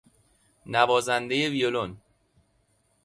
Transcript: نوازنده ویولن